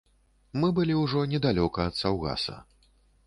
Мы былі ўжо недалёка ад саўгаса.